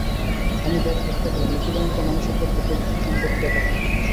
আমি বেশ দেখতে পাই, নিখিলের মতো মানুষের পক্ষে পৈতৃক সম্পত্তিটা বাহুল্য।